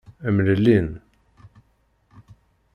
Mlellin.